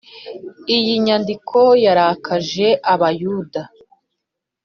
” iyi nyandiko yarakaje abayuda